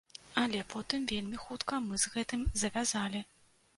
Але потым, вельмі хутка, мы з гэтым завязалі.